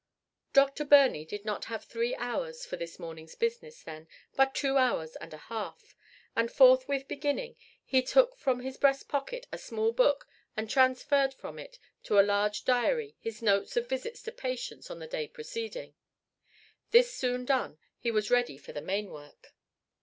Dr. Birney did not have three hours for this morning's business, then, but two hours and a half; and forthwith beginning, he took from his breast pocket a small book and transferred from it to a large diary his notes of visits to patients on the day preceding. This soon done, he was ready for the main work.